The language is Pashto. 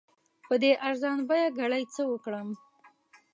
په دې ارزان بیه ګړي څه وکړم؟